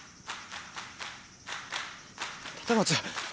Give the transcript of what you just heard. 立松！